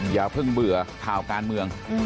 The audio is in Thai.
อย่าเพิ่งเบื่อข่าวการเมือง